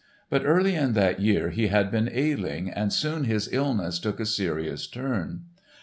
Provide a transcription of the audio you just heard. But early in that year he had been ailing and soon his illness took a serious turn.